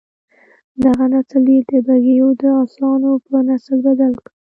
دغه نسل یې د بګیو د اسانو په نسل بدل کړ.